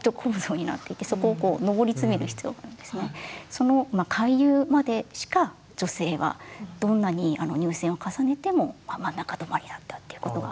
その会友までしか女性はどんなに入選を重ねてもまあ真ん中止まりだったっていうことが。